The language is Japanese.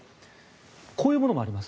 こういうものもあります。